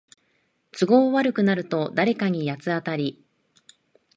都合悪くなると誰かに八つ当たり